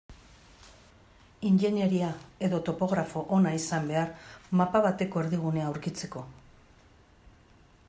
Ingeniaria edo topografo ona izan behar mapa bateko erdigunea aurkitzeko.